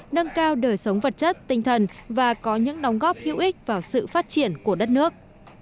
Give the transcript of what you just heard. nâng cao đời sống vật chất tinh thần và có những đóng góp hữu ích vào sự phát triển của đất nước